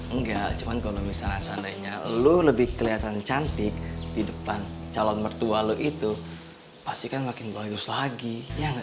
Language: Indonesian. enggak cuman kalo misalnya sandainya lu lebih keliatan cantik di depan calon mertua lu itu pasti kan makin balius lagi ya gak